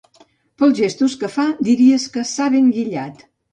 Pels gestos que fa, diries que s'ha ben guillat.